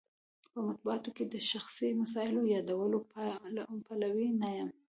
په مطبوعاتو کې د شخصي مسایلو یادولو پلوی نه یم.